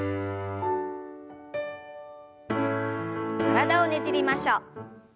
体をねじりましょう。